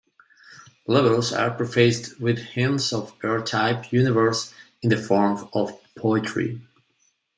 Levels are prefaced with hints of the R-Type universe in the form of poetry.